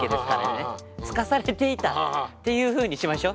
つかされていたっていうふうにしましょ。